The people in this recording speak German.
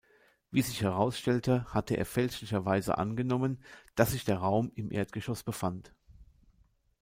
Wie sich herausstellte, hatte er fälschlicherweise angenommen, dass sich der Raum im Erdgeschoss befand.